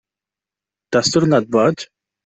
T'has tornat boig?